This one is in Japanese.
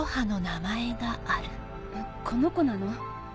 この子なの？